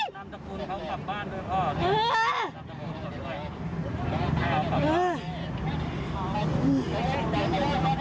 นามสกุลเขากลับบ้านด้วยพ่อนามสกุลเขากลับด้วยลูกข้าวกลับบ้านด้วย